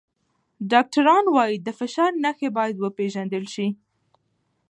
ډاکټران وايي د فشار نښې باید وپیژندل شي.